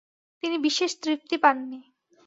তিনি বিশেষ তৃপ্তি পাননি।